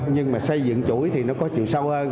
nhưng mà xây dựng chuỗi thì nó có chiều sâu hơn